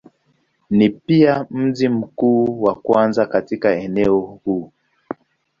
Ni pia mji mkubwa wa kwanza katika eneo huu.